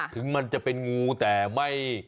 ถึงมันจะเป็นงูแต่ไม่